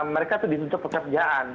mereka tuh ditutup pekerjaan